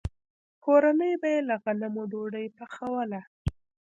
کورنۍ به یې له غنمو ډوډۍ پخوله.